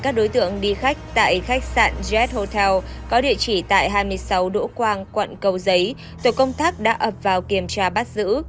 các đối tượng đi khách tại khách sạn jet hotel có địa chỉ tại hai mươi sáu đỗ quang quận cầu giấy tổ công tác đã ập vào kiểm tra bắt giữ